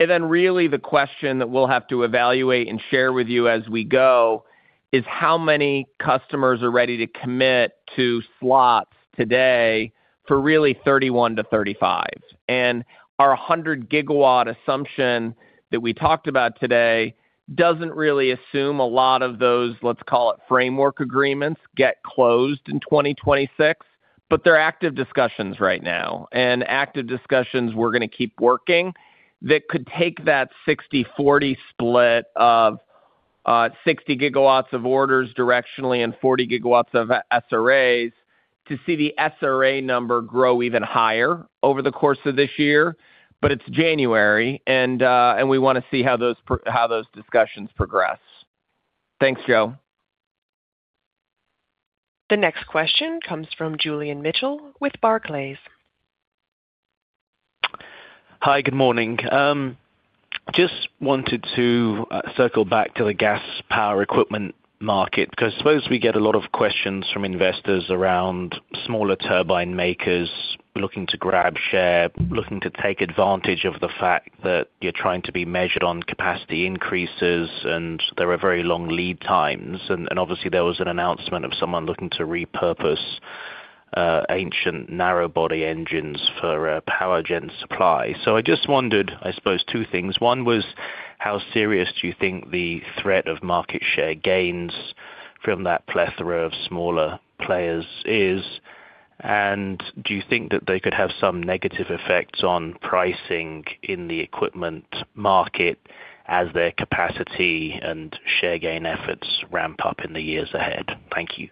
And then, really, the question that we'll have to evaluate and share with you as we go is how many customers are ready to commit to slots today for really 2031 to 2035. And our 100-gigawatt assumption that we talked about today doesn't really assume a lot of those, let's call it, framework agreements get closed in 2026, but they're active discussions right now. And active discussions we're gonna keep working, that could take that 60/40 split of, 60 gigawatts of orders directionally and 40 gigawatts of S-SRAs to see the SRA number grow even higher over the course of this year. But it's January, and, and we wanna see how those discussions progress. Thanks, Joe. The next question comes from Julian Mitchell with Barclays. Hi, good morning. Just wanted to circle back to the gas power equipment market, because I suppose we get a lot of questions from investors around smaller turbine makers looking to grab share, looking to take advantage of the fact that you're trying to be measured on capacity increases, and there are very long lead times. And obviously there was an announcement of someone looking to repurpose ancient narrow body engines for a power gen supply. So I just wondered, I suppose, two things. One was: how serious do you think the threat of market share gains from that plethora of smaller players is? And do you think that they could have some negative effects on pricing in the equipment market as their capacity and share gain efforts ramp up in the years ahead? Thank you.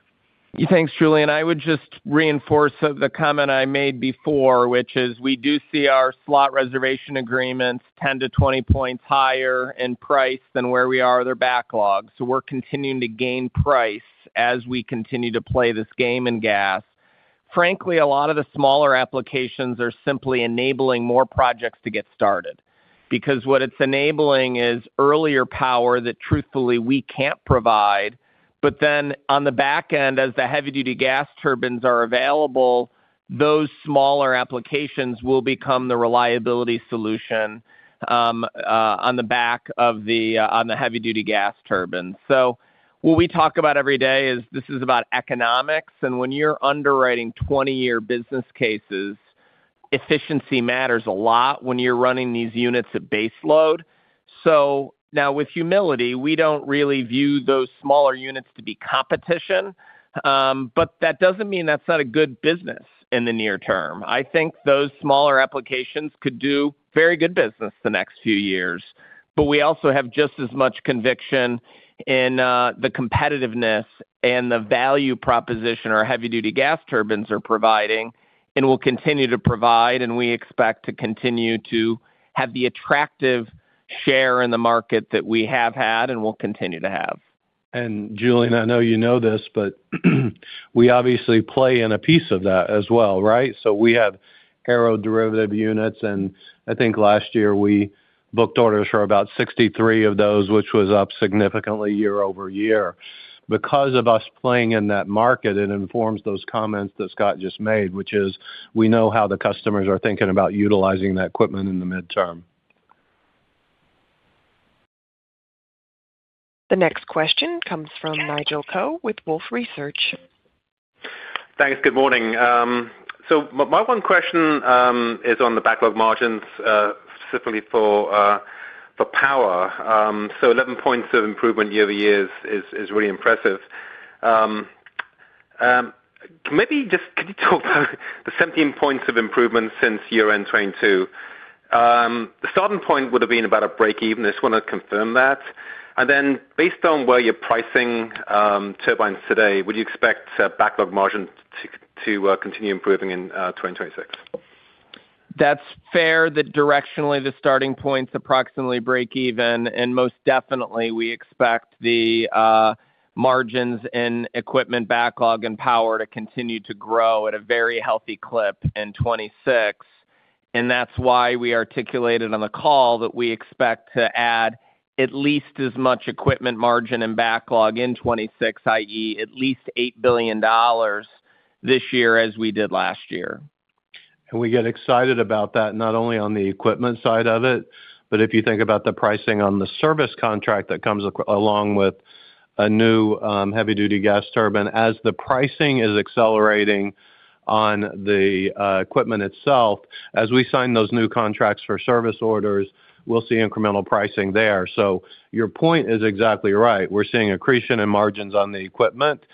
Thanks, Julian. I would just reinforce the comment I made before, which is we do see our slot reservation agreements 10-20 points higher in price than where we are with their backlogs. So we're continuing to gain price as we continue to play this game in gas. Frankly, a lot of the smaller applications are simply enabling more projects to get started, because what it's enabling is earlier power that truthfully we can't provide. But then on the back end, as the heavy-duty gas turbines are available, those smaller applications will become the reliability solution on the back of the heavy-duty gas turbines. So what we talk about every day is this is about economics, and when you're underwriting 20-year business cases, efficiency matters a lot when you're running these units at base load. So now with humility, we don't really view those smaller units to be competition, but that doesn't mean that's not a good business in the near term. I think those smaller applications could do very good business the next few years, but we also have just as much conviction in, the competitiveness and the value proposition our Heavy-Duty Gas Turbines are providing, and will continue to provide, and we expect to continue to have the attractive share in the market that we have had and will continue to have. Julian, I know you know this, but we obviously play in a piece of that as well, right? So we have aero-derivative units, and I think last year we booked orders for about 63 of those, which was up significantly year-over-year. Because of us playing in that market, it informs those comments that Scott just made, which is we know how the customers are thinking about utilizing that equipment in the midterm. The next question comes from Nigel Coe with Wolfe Research. Thanks. Good morning. So my one question is on the backlog margins, specifically for power. So 11 points of improvement year-over-year is really impressive. Maybe just can you talk about the 17 points of improvement since year-end 2022? The starting point would have been about a break-even. Just want to confirm that. And then based on where you're pricing turbines today, would you expect backlog margins to continue improving in 2026? That's fair, that directionally, the starting point's approximately break-even, and most definitely we expect the margins and equipment backlog and power to continue to grow at a very healthy clip in 2026. And that's why we articulated on the call that we expect to add at least as much equipment margin and backlog in 2026, i.e., at least $8 billion this year as we did last year. And we get excited about that, not only on the equipment side of it, but if you think about the pricing on the service contract that comes along with a new Heavy-Duty Gas Turbine. As the pricing is accelerating on the equipment itself, as we sign those new contracts for service orders, we'll see incremental pricing there. So your point is exactly right. We're seeing accretion in margins on the equipment.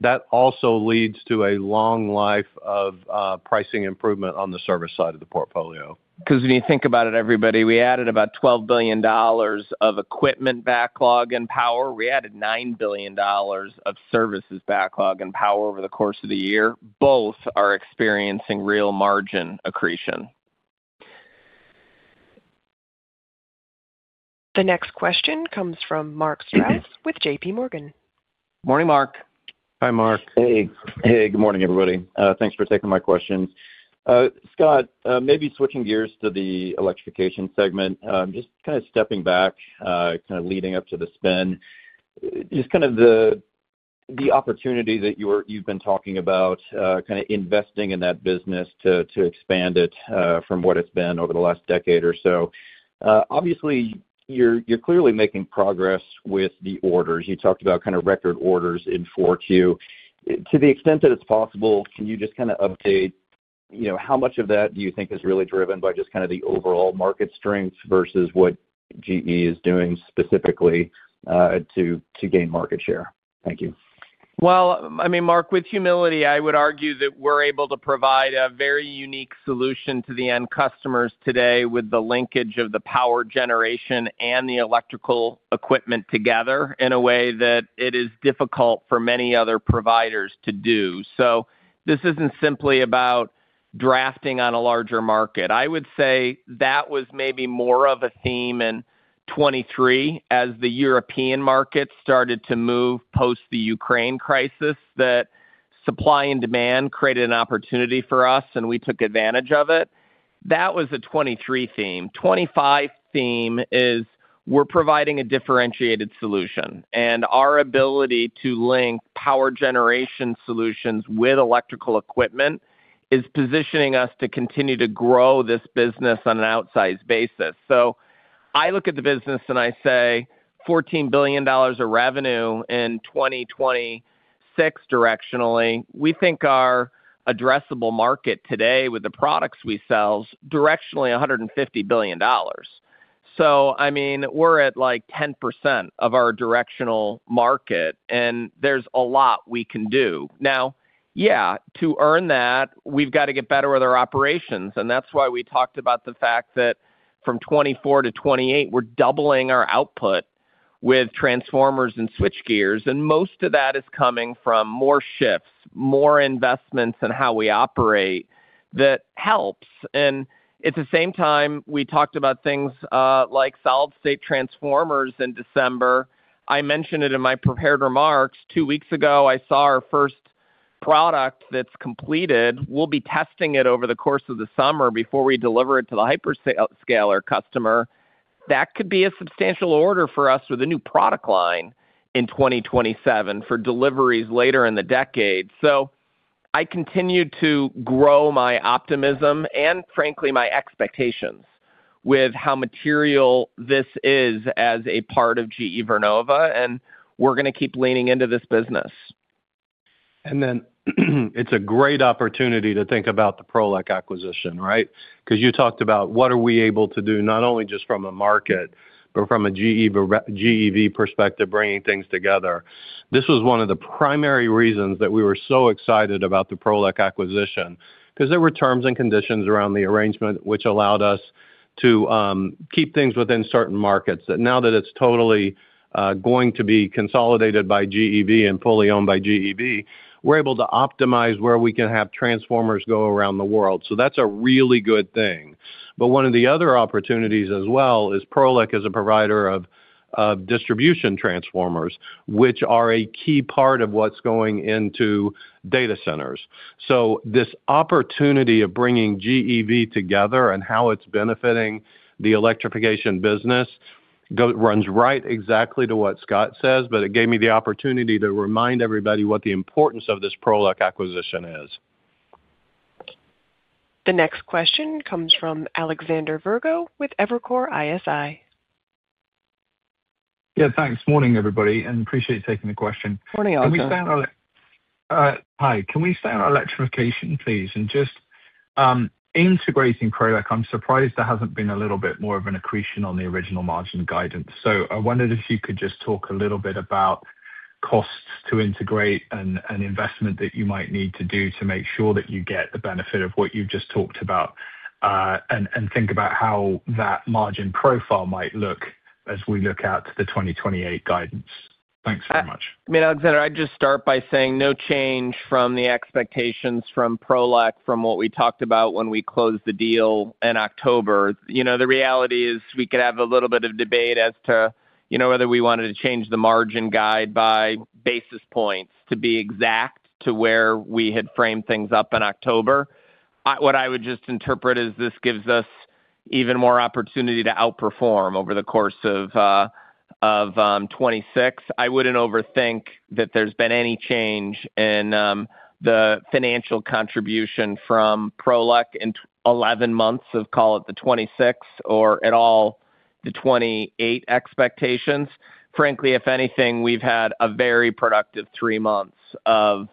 That also leads to a long life of pricing improvement on the service side of the portfolio. 'Cause when you think about it, everybody, we added about $12 billion of equipment backlog and power. We added $9 billion of services backlog and power over the course of the year. Both are experiencing real margin accretion. The next question comes from Mark Strouse with J.P. Morgan. Morning, Mark. Hi, Mark. Hey, hey, good morning, everybody. Thanks for taking my questions. Scott, maybe switching gears to the electrification segment, just kind of stepping back, kind of leading up to the spin. Just kind of the opportunity that you've been talking about, kind of investing in that business to expand it, from what it's been over the last decade or so. Obviously, you're clearly making progress with the orders. You talked about kind of record orders in Q4. To the extent that it's possible, can you just kind of update, you know, how much of that do you think is really driven by just kind of the overall market strength versus what GE is doing specifically, to gain market share? Thank you. Well, I mean, Mark, with humility, I would argue that we're able to provide a very unique solution to the end customers today with the linkage of the power generation and the electrical equipment together in a way that it is difficult for many other providers to do. So this isn't simply about drafting on a larger market. I would say that was maybe more of a theme in 2023, as the European market started to move post the Ukraine crisis, that supply and demand created an opportunity for us, and we took advantage of it. That was a 2023 theme. 2025 theme is we're providing a differentiated solution, and our ability to link power generation solutions with electrical equipment is positioning us to continue to grow this business on an outsized basis. So I look at the business, and I say $14 billion of revenue in 2026 directionally. We think our addressable market today with the products we sell is directionally $150 billion. So I mean, we're at, like, 10% of our directional market, and there's a lot we can do. Now, yeah, to earn that, we've got to get better with our operations, and that's why we talked about the fact that from 2024 to 2028, we're doubling our output with transformers and switchgear, and most of that is coming from more shifts, more investments in how we operate. That helps. And at the same time, we talked about things like solid-state transformers in December. I mentioned it in my prepared remarks. Two weeks ago, I saw our first product that's completed. We'll be testing it over the course of the summer before we deliver it to the hyperscaler customer. That could be a substantial order for us with a new product line in 2027 for deliveries later in the decade. So I continue to grow my optimism and frankly, my expectations with how material this is as a part of GE Vernova, and we're gonna keep leaning into this business. Then it's a great opportunity to think about the Prolec acquisition, right? 'Cause you talked about what are we able to do, not only just from a market, but from a GE, but - GEV perspective, bringing things together. This was one of the primary reasons that we were so excited about the Prolec acquisition, 'cause there were terms and conditions around the arrangement, which allowed us to keep things within certain markets, that now that it's totally going to be consolidated by GEV and fully owned by GEV, we're able to optimize where we can have transformers go around the world. So that's a really good thing. But one of the other opportunities as well is Prolec is a provider of distribution transformers, which are a key part of what's going into data centers. So this opportunity of bringing GEV together and how it's benefiting the electrification business runs right exactly to what Scott says, but it gave me the opportunity to remind everybody what the importance of this Prolec acquisition is. The next question comes from Alexander Virgo with Evercore ISI. Yeah, thanks. Morning, everybody, and appreciate you taking the question. Morning, Alexander. Can we stay on electrification, please? And just, integrating Prolec, I'm surprised there hasn't been a little bit more of an accretion on the original margin guidance. So I wondered if you could just talk a little bit about costs to integrate and investment that you might need to do to make sure that you get the benefit of what you've just talked about, and think about how that margin profile might look as we look out to the 2028 guidance. Thanks very much. I mean, Alexander, I'd just start by saying no change from the expectations from Prolec from what we talked about when we closed the deal in October. You know, the reality is, we could have a little bit of debate as to, you know, whether we wanted to change the margin guide by basis points, to be exact, to where we had framed things up in October. What I would just interpret is this gives us even more opportunity to outperform over the course of 2026. I wouldn't overthink that there's been any change in the financial contribution from Prolec in 11 months of, call it, 2026 or at all, 2028 expectations. Frankly, if anything, we've had a very productive three months of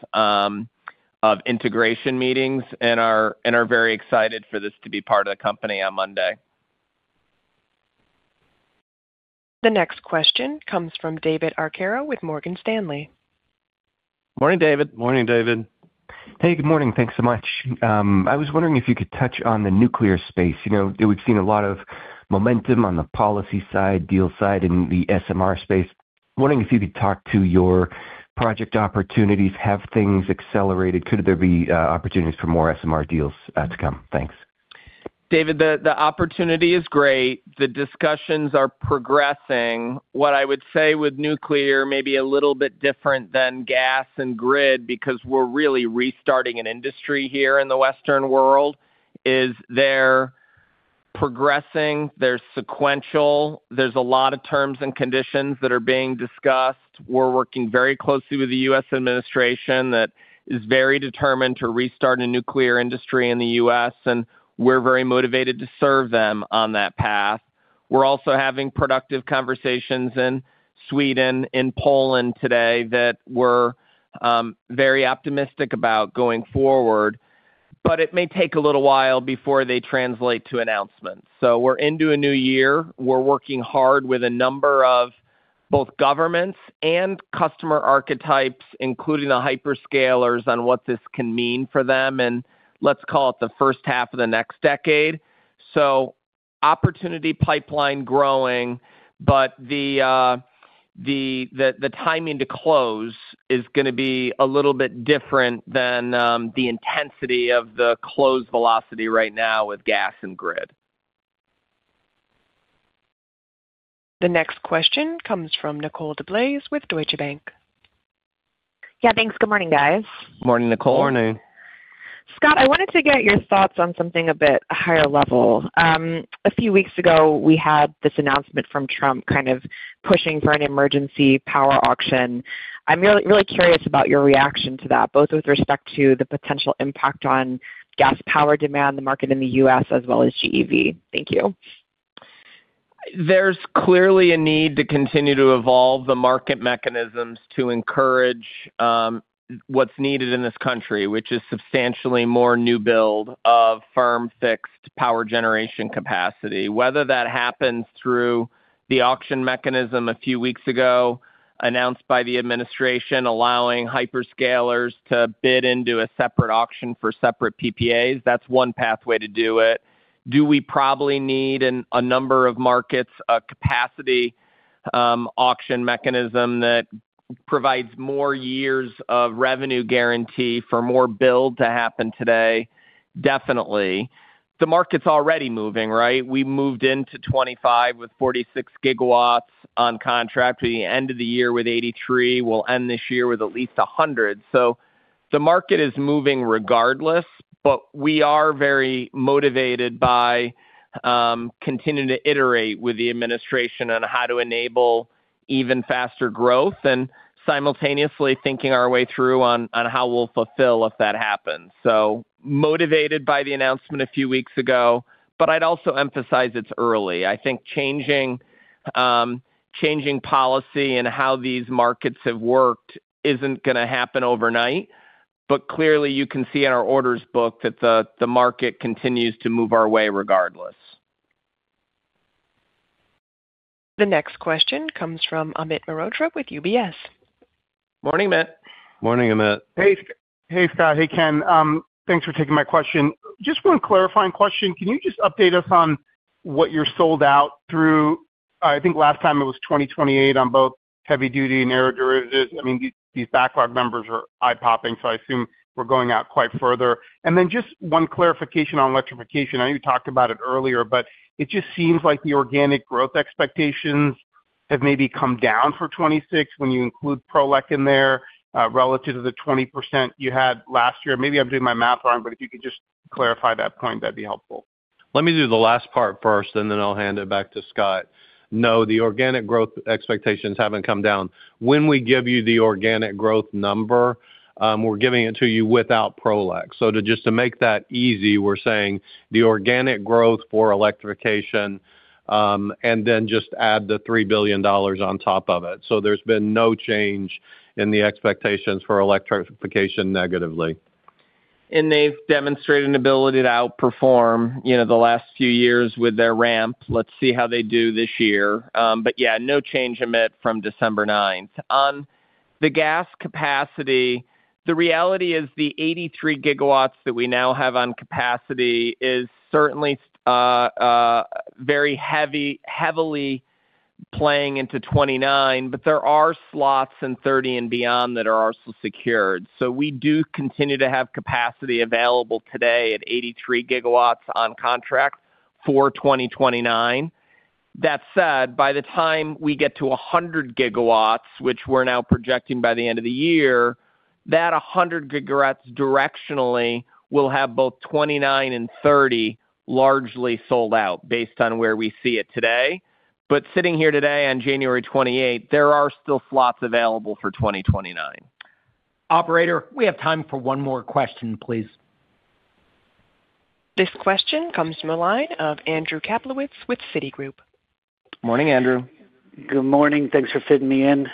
integration meetings and are very excited for this to be part of the company on Monday. The next question comes from David Arcaro with Morgan Stanley. Morning, David. Morning, David. Hey, good morning. Thanks so much. I was wondering if you could touch on the nuclear space. You know, we've seen a lot of momentum on the policy side, deal side, in the SMR space. I'm wondering if you could talk to your project opportunities. Have things accelerated? Could there be opportunities for more SMR deals to come? Thanks. David, the opportunity is great. The discussions are progressing. What I would say with nuclear, maybe a little bit different than gas and grid, because we're really restarting an industry here in the Western world, is they're progressing, they're sequential. There's a lot of terms and conditions that are being discussed. We're working very closely with the U.S. administration that is very determined to restart a nuclear industry in the U.S., and we're very motivated to serve them on that path. We're also having productive conversations in Sweden and Poland today that we're very optimistic about going forward, but it may take a little while before they translate to announcements. So we're into a new year. We're working hard with a number of both governments and customer archetypes, including the hyperscalers, on what this can mean for them, in let's call it the first half of the next decade. So opportunity pipeline growing, but the timing to close is gonna be a little bit different than the intensity of the close velocity right now with gas and grid. The next question comes from Nicole DeBlase with Deutsche Bank. Yeah, thanks. Good morning, guys. Morning, Nicole. Morning. Scott, I wanted to get your thoughts on something a bit higher level. A few weeks ago, we had this announcement from Trump kind of pushing for an emergency power auction. I'm really, really curious about your reaction to that, both with respect to the potential impact on gas power demand, the market in the US, as well as GEV. Thank you. There's clearly a need to continue to evolve the market mechanisms to encourage, what's needed in this country, which is substantially more new build of firm, fixed power generation capacity. Whether that happens through the auction mechanism a few weeks ago, announced by the administration, allowing hyperscalers to bid into a separate auction for separate PPAs, that's one pathway to do it. Do we probably need, in a number of markets, a capacity, auction mechanism that provides more years of revenue guarantee for more build to happen today? Definitely. The market's already moving, right? We moved into 2025 with 46 GW on contract. We ended the year with 83. We'll end this year with at least 100. So the market is moving regardless, but we are very motivated by continuing to iterate with the administration on how to enable even faster growth and simultaneously thinking our way through on how we'll fulfill if that happens. So motivated by the announcement a few weeks ago, but I'd also emphasize it's early. I think changing policy and how these markets have worked isn't gonna happen overnight... but clearly, you can see in our orders book that the market continues to move our way regardless. The next question comes from Amit Mehrotra with UBS. Morning, Amit. Morning, Amit. Hey, Scott. Hey, Ken. Thanks for taking my question. Just one clarifying question, can you just update us on what you're sold out through? I think last time it was 2028 on both heavy-duty and aeroderivatives. I mean, these, these backlog numbers are eye-popping, so I assume we're going out quite further. And then just one clarification on electrification. I know you talked about it earlier, but it just seems like the organic growth expectations have maybe come down for 2026 when you include Prolec in there, relative to the 20% you had last year. Maybe I'm doing my math wrong, but if you could just clarify that point, that'd be helpful. Let me do the last part first, and then I'll hand it back to Scott. No, the organic growth expectations haven't come down. When we give you the organic growth number, we're giving it to you without Prolec. So, to just make that easy, we're saying the organic growth for electrification, and then just add the $3 billion on top of it. So there's been no change in the expectations for electrification negatively. And they've demonstrated an ability to outperform, you know, the last few years with their ramp. Let's see how they do this year. But yeah, no change, Amit, from December 9. On the gas capacity, the reality is the 83 GW that we now have on capacity is certainly very heavily playing into 2029, but there are slots in 2030 and beyond that are also secured. So we do continue to have capacity available today at 83 GW on contract for 2029. That said, by the time we get to 100 GW, which we're now projecting by the end of the year, that 100 GW directionally will have both 2029 and 2030 largely sold out based on where we see it today. But sitting here today on January 28, there are still slots available for 2029. Operator, we have time for one more question, please. This question comes from the line of Andrew Kaplowitz with Citigroup. Morning, Andrew. Good morning. Thanks for fitting me in.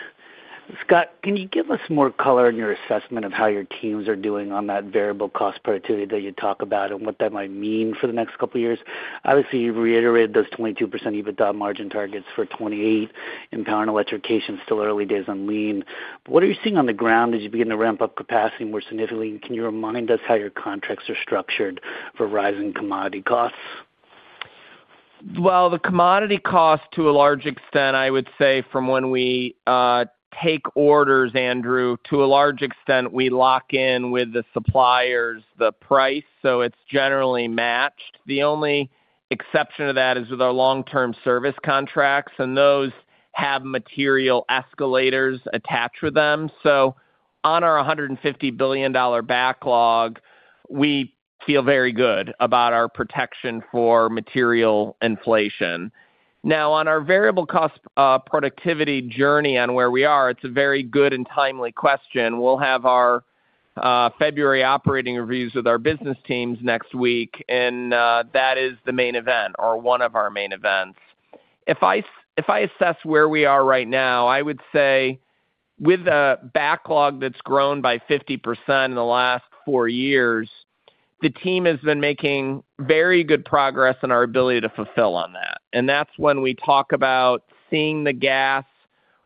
Scott, can you give us more color on your assessment of how your teams are doing on that variable cost productivity that you talk about and what that might mean for the next couple of years? Obviously, you've reiterated those 22% EBITDA margin targets for 2028 in power and electrification, still early days on lean. What are you seeing on the ground as you begin to ramp up capacity more significantly? Can you remind us how your contracts are structured for rising commodity costs? Well, the commodity cost, to a large extent, I would say from when we take orders, Andrew, to a large extent, we lock in with the suppliers, the price, so it's generally matched. The only exception to that is with our long-term service contracts, and those have material escalators attached with them. So on our $150 billion backlog, we feel very good about our protection for material inflation. Now, on our variable cost productivity journey and where we are, it's a very good and timely question. We'll have our February operating reviews with our business teams next week, and that is the main event or one of our main events. If I assess where we are right now, I would say with a backlog that's grown by 50% in the last four years, the team has been making very good progress in our ability to fulfill on that. And that's when we talk about seeing the gas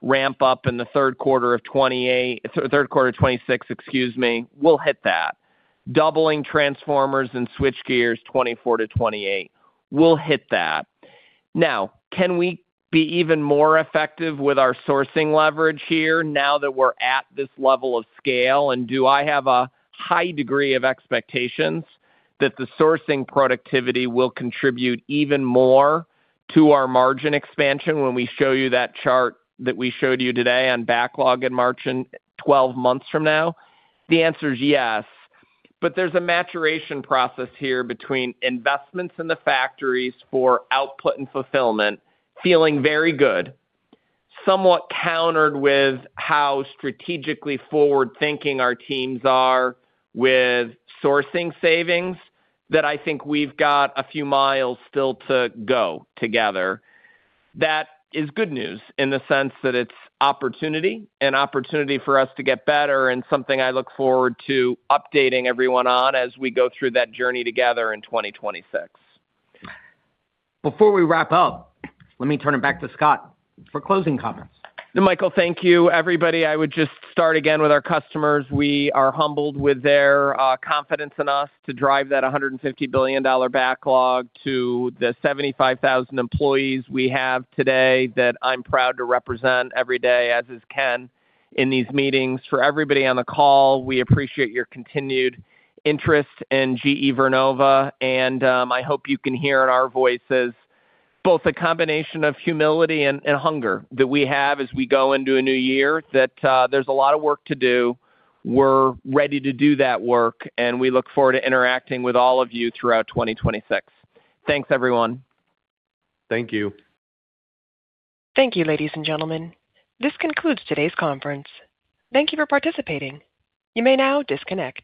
ramp up in the third quarter of 2028... Third quarter of 2026, excuse me, we'll hit that. Doubling transformers and switchgear, 2024-2028, we'll hit that. Now, can we be even more effective with our sourcing leverage here now that we're at this level of scale, and do I have a high degree of expectations that the sourcing productivity will contribute even more to our margin expansion when we show you that chart that we showed you today on backlog and margin 12 months from now? The answer is yes, but there's a maturation process here between investments in the factories for output and fulfillment, feeling very good, somewhat countered with how strategically forward-thinking our teams are with sourcing savings, that I think we've got a few miles still to go together. That is good news in the sense that it's opportunity, and opportunity for us to get better and something I look forward to updating everyone on as we go through that journey together in 2026. Before we wrap up, let me turn it back to Scott for closing comments. Michael, thank you. Everybody, I would just start again with our customers. We are humbled with their confidence in us to drive that $150 billion backlog to the 75,000 employees we have today that I'm proud to represent every day, as is Ken, in these meetings. For everybody on the call, we appreciate your continued interest in GE Vernova, and I hope you can hear in our voices both a combination of humility and hunger that we have as we go into a new year, that there's a lot of work to do. We're ready to do that work, and we look forward to interacting with all of you throughout 2026. Thanks, everyone. Thank you. Thank you, ladies and gentlemen. This concludes today's conference. Thank you for participating. You may now disconnect.